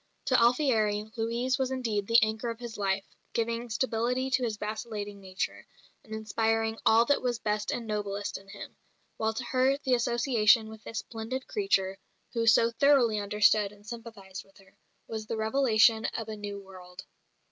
To Alfieri, Louise was indeed "the anchor of his life," giving stability to his vacillating nature, and inspiring all that was best and noblest in him; while to her the association with this "splendid creature," who so thoroughly understood and sympathised with her, was the revelation of a new world.